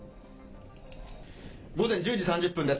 午前１０時３０分です。